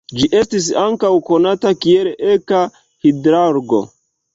Ĝi estis ankaŭ konata kiel eka-hidrargo.